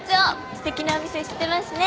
すてきなお店知ってますね。